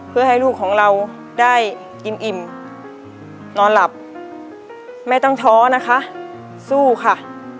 เพื่อให้ลูกของเราได้อิ่มนอนหลับแม่ต้องท้อนะคะสู้ค่ะ